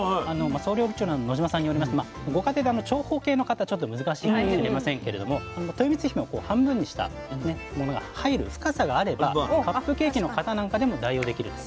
総料理長の野島さんによりますとご家庭で長方形の型ちょっと難しいかもしれませんけれどもとよみつひめを半分にしたものが入る深さがあればカップケーキの型なんかでも代用できるということなんです。